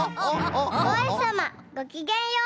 おうひさまごきげんよう！